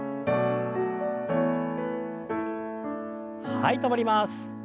はい止まります。